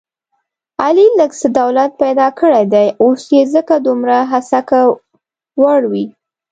علي لږ څه دولت پیدا کړی دی، اوس یې ځکه دومره هسکه وړوي...